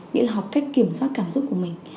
nghĩa là học cách kiểm soát cảm xúc của mình